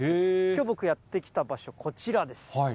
きょう、僕やって来た場所、こちらです。